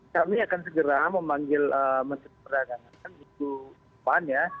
kami akan segera memanggil menteri perdagangan